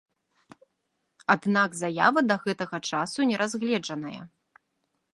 Аднак заява да гэтага часу не разгледжаная.